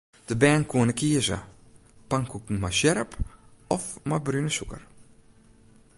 De bern koene kieze: pankoek mei sjerp of mei brune sûker.